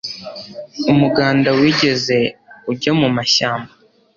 umuganda wigeze ujya mumashyamba